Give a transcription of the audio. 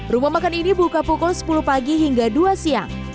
rumah makan ini buka pukul sepuluh pagi hingga dua siang